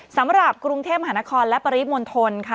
สำหรับกรุงเทพมหานครและปริมณฑลค่ะ